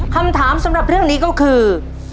คำถามสำหรับเรื่องนี้ก็คือ